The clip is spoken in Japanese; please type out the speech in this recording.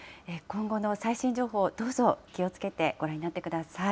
今後の最新情報、どうぞ気をつけてご覧になってください。